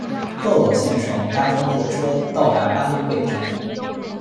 豆豆先生搭乘火车到达巴黎北站。